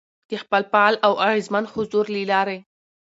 ، د خپل فعال او اغېزمن حضور له لارې،